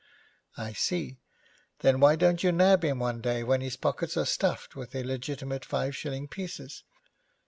'I see. Then why don't you nab him one day when his pockets are stuffed with illegitimate five shilling pieces?'